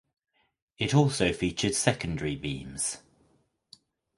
It also featured secondary beams.